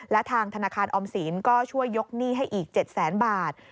และทางธนาคารออมสินก็ช่วยยกหนี้ให้อีก๗แสนบาท